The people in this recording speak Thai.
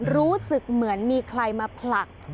รู้สึกเหมือนมีใครมาผลัก